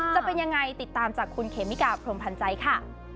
จะเป็นยังไงติดตามจากคุณเขมิกาพรมพันธ์ใจค่ะ